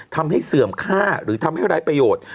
ทำให้เสื่อมค่าหรือทำให้ร้ายประโยชน์